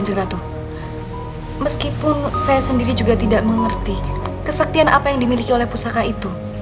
meskipun saya sendiri juga tidak mengerti kesaktian apa yang dimiliki oleh pusaka itu